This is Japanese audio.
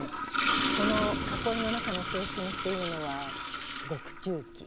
この『囲いの中の青春』っていうのは獄中記。